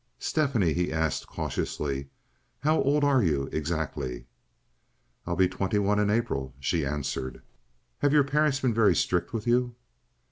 "Stephanie," he asked, cautiously, "how old are you, exactly?" "I will be twenty one in April," she answered. "Have your parents been very strict with you?"